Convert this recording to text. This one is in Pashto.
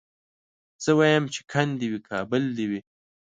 زه وايم چي کند دي وي کابل دي وي